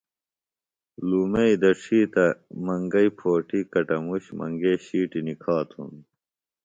لُومئی دڇھی تہ منگئیۡ پھوٹیۡ کٹموش منگئیۡ شِیٹیۡ نکھاتوۡ ہنوۡ